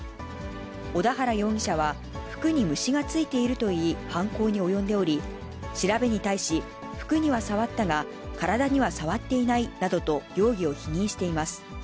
小田原容疑者は、服に虫がついているといい、犯行に及んでおり、調べに対し、服には触ったが、体には触っていないなどと容疑を否認しています。